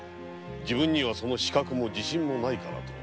「その資格も自信もないから」と。